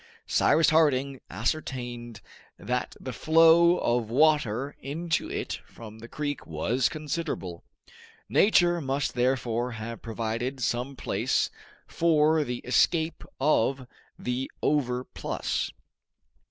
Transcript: Cyrus Harding ascertained that the flow of water into it from the creek was considerable. Nature must therefore have provided some place for the escape of the overplus.